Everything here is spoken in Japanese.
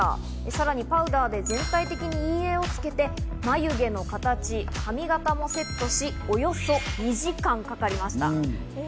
さらにパウダーで全体的に陰影をつけて、眉毛の形、髪形もセットし、およそ２時間かかりました。